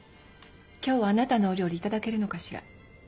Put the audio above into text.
今日はあなたのお料理いただけるのかしら？